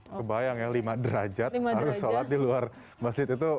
kebayang ya lima derajat harus sholat di luar masjid itu